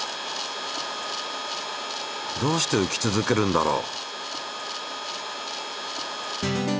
どうして浮き続けるんだろう？